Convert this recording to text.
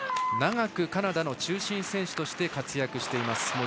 長くカナダの中心選手として活躍しています。